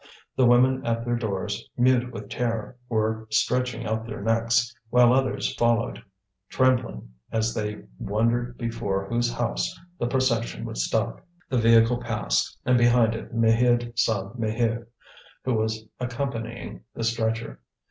The women at their doors, mute with terror, were stretching out their necks, while others followed, trembling as they wondered before whose house the procession would stop. The vehicle passed; and behind it Maheude saw Maheu, who was accompanying the stretcher.